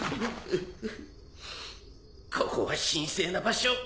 ここは神聖な場所。